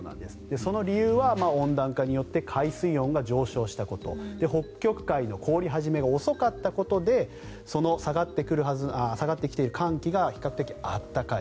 その理由は温暖化によって海水温が上昇したこと北極海の凍り始めた遅かったことでその下がってきている寒気が比較的暖かい。